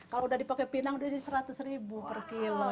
kalau sudah dipakai pinang sudah rp seratus per kilo